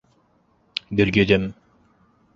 Гөлйөҙөм